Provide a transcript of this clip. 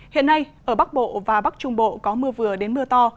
hiện nay ở bắc bộ và bắc trung bộ có mưa vừa đến mưa to